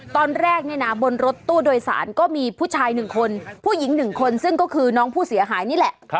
ตอนแรกเนี่ยนะบนรถตู้โดยสารก็มีผู้ชาย๑คนผู้หญิง๑คนซึ่งก็คือน้องผู้เสียหายนี่แหละ